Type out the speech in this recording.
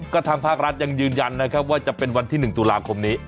ก็ทางภาครัฐยังยืนยันนะครับว่าจะเป็นวันที่๑ตุลาคมนี้